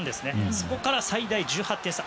そこから最大１８点差。